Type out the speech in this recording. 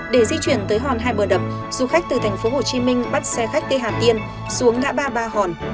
để di chuyển tới hòn hai bờ đập du khách từ tp hcm bắt xe khách t hà tiên xuống ngã ba ba hòn